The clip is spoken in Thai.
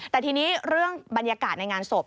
แต่ทีนี้เรื่องบรรยากาศในงานศพ